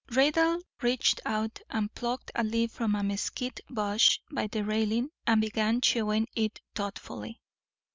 Raidler reached out and plucked a leaf from a mesquite bush by the railing, and began chewing it thoughtfully.